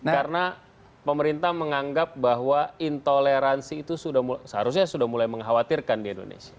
karena pemerintah menganggap bahwa intoleransi itu seharusnya sudah mulai mengkhawatirkan di indonesia